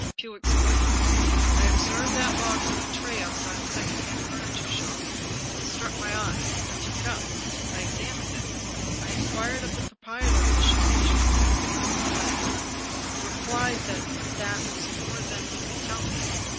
Pugh ex plained. " I observed that box on a tray outside a second hand furniture shop. It struck my eye. I took it up. I ex amined it. I inquired of the proprietor of the shop in what the puzzle lay. He replied that that was more than he could tell me.